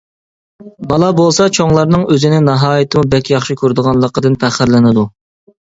بالا بولسا چوڭلارنىڭ ئۆزىنى ناھايىتىمۇ بەك ياخشى كۆرىدىغانلىقىدىن پەخىرلىنىدۇ.